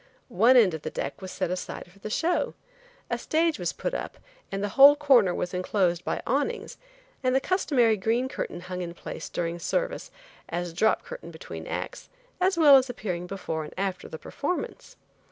One end of the deck was set aside for the show. A stage was put up and the whole corner was enclosed by awnings, and the customary green curtain hung in place during service, as drop curtain between acts, as well appearing before and after the performance.